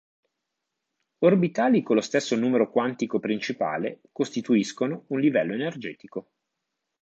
Orbitali con lo stesso numero quantico principale costituiscono un "livello energetico".